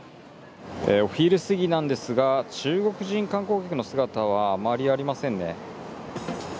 お昼過ぎなんですが、中国人観光客の姿はあまりありませんね。